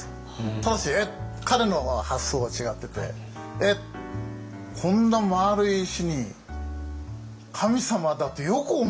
ただし彼の発想は違ってて「えっこんな丸い石に神様だってよく思えるよな」と思った。